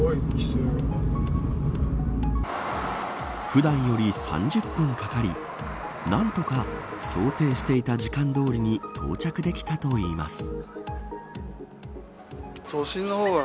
普段より３０分かかり何とか想定していた時間どおりに到着できたといいます。